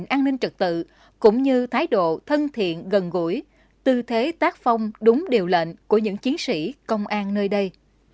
tình hình an ninh trật tự cũng như thái độ thân thiện gần gũi tư thế tác phong đúng điều lệnh của những chiến sĩ công an nơi đây